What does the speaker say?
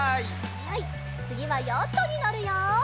はいつぎはヨットにのるよ。